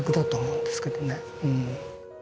うん。